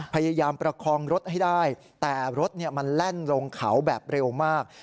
พยายามประคองรถให้ได้แต่รถมันแล่นลงเขาแบบเร็วมาก